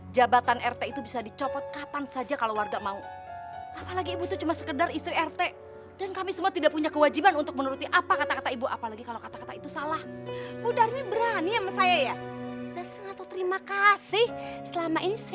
jangan lupa like share dan subscribe channel ini